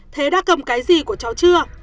thế đã cầm cái gì của cháu chưa